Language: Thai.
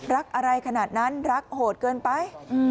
รักอะไรขนาดนั้นรักโหดเกินไป